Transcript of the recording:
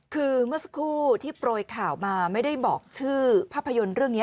คือเมื่อสักครู่ที่โปรยข่าวมาไม่ได้บอกชื่อภาพยนตร์เรื่องนี้